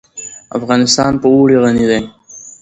افغانستان په اوړي غني دی.